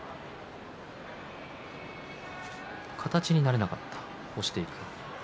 形になれなかった押していく。